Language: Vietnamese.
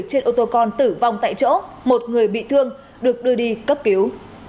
trên ô tô con tử vong tại chỗ một người bị thương được đưa đi cấp cứu